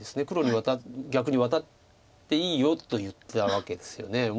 黒に逆に「ワタっていいよ」と言ったわけですよね。